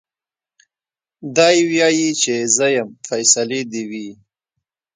دی وايي چي زه يم فيصلې دي وي